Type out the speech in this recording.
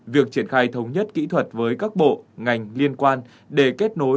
việc triển khai thống nhất kỹ thuật với các bộ ngành liên quan để kết nối